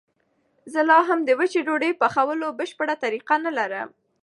زه لا هم د وچې ډوډۍ پخولو بشپړه طریقه نه لرم.